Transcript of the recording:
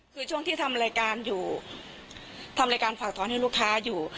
คือช่วงที่ทำรายการอยู่ทำรายการฝากถอนให้ลูกค้าอยู่